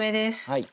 はい。